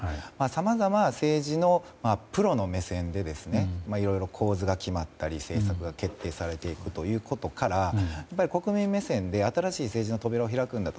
さまざま政治のプロの目線でいろいろ構図が決まったり政策が決定されていくことから国民目線で新しい政治の扉を開くんだと。